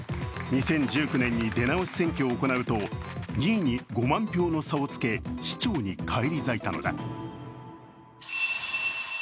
２０１９年に出直し選挙を行うと、２位に５万票の差をつけ、市長に返り咲いたのだ。